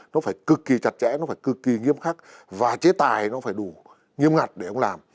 nó phải cực kỳ chặt chẽ nó phải cực kỳ nghiêm khắc và chế tài nó phải đủ nghiêm ngặt để ông làm